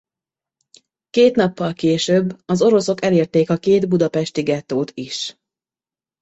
Két nappal később az oroszok elérték a két budapesti gettót is.